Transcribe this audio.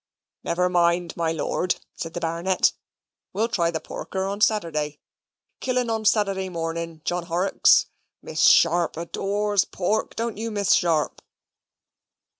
"Never mind, my lord," said the Baronet, "we'll try the porker on Saturday. Kill un on Saturday morning, John Horrocks. Miss Sharp adores pork, don't you, Miss Sharp?"